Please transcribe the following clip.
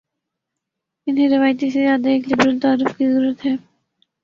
انہیں روایتی سے زیادہ ایک لبرل تعارف کی ضرت ہے۔